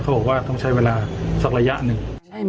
บอกว่าต้องใช้เวลาสักระยะหนึ่ง